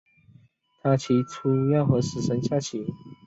他提出要和死神下棋。